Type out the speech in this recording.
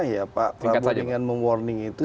ya pak dengan mem warning itu